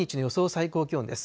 最高気温です。